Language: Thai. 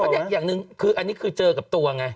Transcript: เนี่ยอย่างหนึ่งคืออันนี้คือเจอกับตัวไง